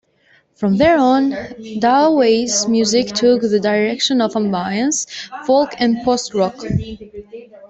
From there on, Dou Wei's music took the direction of ambience, folk and post-rock.